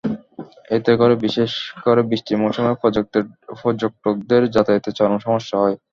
এতে করে বিশেষ করে বৃষ্টির মৌসুমে পর্যটকদের যাতায়াতে চরম সমস্যা হয়।